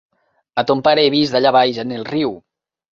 A ton pare he vist allà baix en el riu.